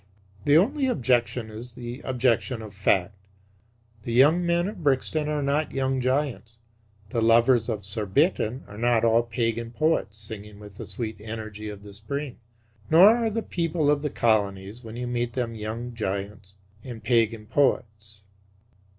The only objection is the objection of fact. The young men of Brixton are not young giants. The lovers of Surbiton are not all pagan poets, singing with the sweet energy of the spring. Nor are the people of the Colonies when you meet them young giants or pagan poets.